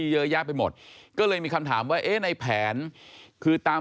เจ๊บ้าบิลคือแม้ค้าขายสลากกินแบบรัฐบาล